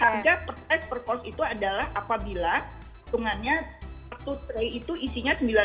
harga per tes per cost itu adalah apabila hitungannya satu tre itu isinya sembilan puluh